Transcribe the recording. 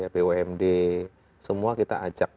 bumd semua kita ajak